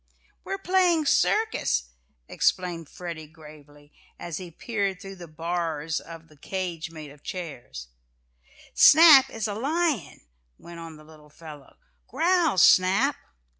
"We're playing circus," explained Freddie gravely, as he peered between the "bars" of the cage made of chairs. "Snap is a lion," went on the little fellow. "Growl, Snap!"